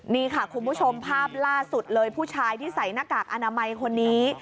นี่ค่ะคุณผู้ชมภาพล่าสุดเลยผู้ชายที่ใส่หน้ากากอนามัยคนนี้